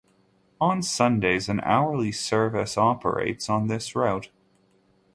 On Sundays, an hourly service operates on this route.